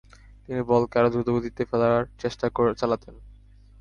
তিনি বলকে আরও দ্রুতগতিতে ফেলার চেষ্টা চালাতেন।